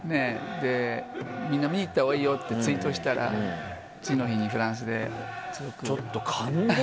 みんな見に行ったほうがいいよってツイートしたら次の日にフランスで。